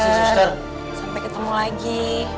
sampai ketemu lagi